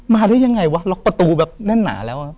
ได้ยังไงวะล็อกประตูแบบแน่นหนาแล้ว